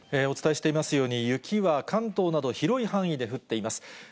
お伝えしていますように、雪は関東など、広い範囲で降っています。